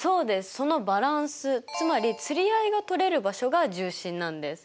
そのバランスつまり釣り合いが取れる場所が重心なんです。